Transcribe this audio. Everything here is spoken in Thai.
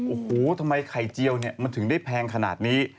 โอ้โหทำไมไข่เจียวมันถึงได้แพงขนาดนี้